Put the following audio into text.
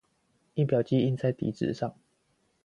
印表機印在底紙上